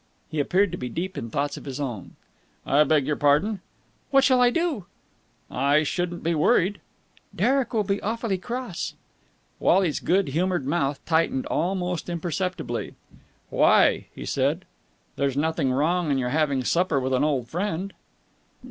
He appeared to be deep in thoughts of his own. "I beg your pardon?" "What shall I do?" "I shouldn't be worried." "Derek will be awfully cross." Wally's good humoured mouth tightened almost imperceptibly. "Why?" he said. "There's nothing wrong in your having supper with an old friend."